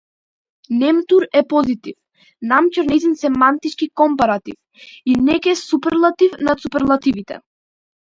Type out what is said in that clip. Немтур е позитив, намќор нејзин семантички компаратив и некез суперлатив над суперлативите.